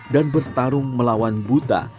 dan bertarung melawan buta